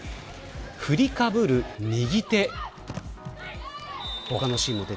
振りかぶる右手。